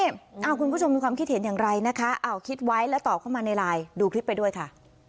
คุณผู้ชมมีความคิดเห็นอย่างไรนะคะคิดไว้แล้วตอบเข้ามาในไลน์ดูคลิปไปด้วยค่ะ